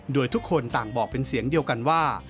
โดยทุกคนต่างบอกเป็นเสียงเดียวกันว่า